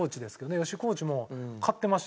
吉井コーチも買ってましたよ。